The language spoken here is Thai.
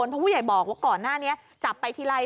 เพราะพวกผู้ใหญ่บอกก่อนหน้านี้จับไปทิลัย